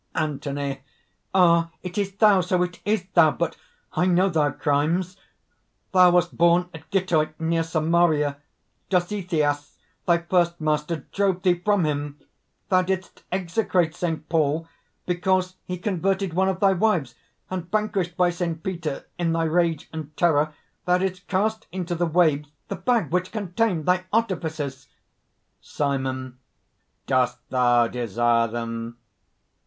ANTHONY. "Ah! it is thou!... so it is thou! But I know thy crimes! "Thou wast born at Gittoi near Samaria, Dositheas, thy first master, drove thee from him. Thou didst execrate Saint Paul because he converted one of thy wives; and, vanquished by Saint Peter, in thy rage and terror thou didst cast into the waves the bag which contained thy artifices!" SIMON. "Dost thou desire them?"